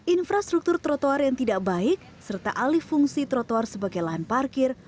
infrastruktur trotoar yang tidak baik serta alih fungsi trotoar sebagai lahan parkir